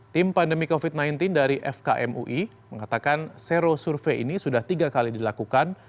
tim pandemi covid sembilan belas dari fkm ui mengatakan sero survei ini sudah tiga kali dilakukan